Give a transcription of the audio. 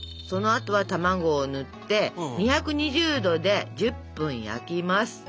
そのあとは卵をぬって２２０℃で１０分焼きます。